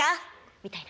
みたいな。